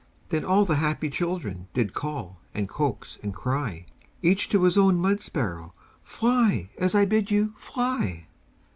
Then all the happy children Did call, and coax, and cry Each to his own mud sparrow: "Fly, as I bid you! Fly!"